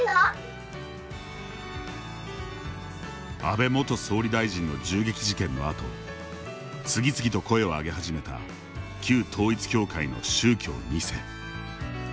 安倍元総理大臣の銃撃事件のあと次々と声を上げ始めた旧統一教会の宗教２世。